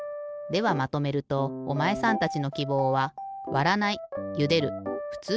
ではまとめるとおまえさんたちのきぼうはだな？